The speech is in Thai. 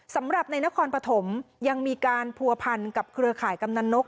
สำหรับในนครปฐมยังมีการผัวพันกับเครือข่ายกำนันนก